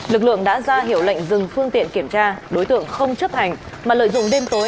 lực lượng đã ra hiệu lệnh dừng phương tiện kiểm tra đối tượng không chấp hành mà lợi dụng đêm tối